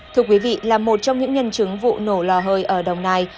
thưa quý vị là một trong những nhân chứng vụ nổ lò hơi ở đồng nai